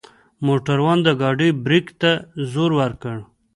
موټروان د ګاډۍ برک ته زور وکړ.